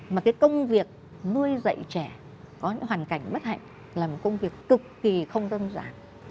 mà cái công việc nuôi dạy trẻ có những hoàn cảnh bất hạnh là một công việc cực kỳ không đơn giản